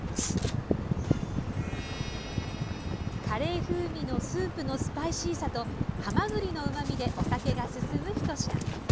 カレー風味のスープのスパイシーさとはまぐりのうまみでお酒が進む一品。